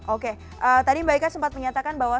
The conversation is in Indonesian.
oke tadi mbak ika sempat menyatakan bahwa